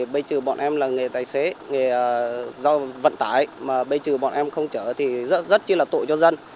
bây giờ bọn em là nghề tài xế nghề giao vận tải mà bây giờ bọn em không chở thì rất chi là tội cho dân